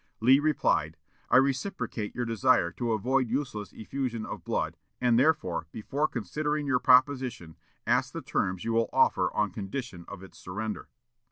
Lee replied, "I reciprocate your desire to avoid useless effusion of blood, and therefore, before considering your proposition, ask the terms you will offer on condition of its surrender."